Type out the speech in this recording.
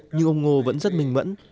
nhưng ông ngô vẫn rất minh mẫn